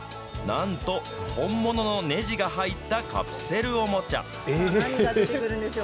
なんと本物のねじが入ったカプセルおもちゃ。